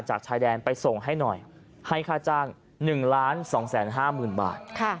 จากชายแดนไปส่งให้หน่อยให้ค่าจ้าง๑ล้าน๒๕๐บาท